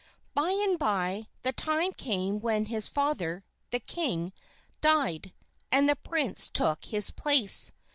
By and by the time came when his father, the king, died, and the prince took his place.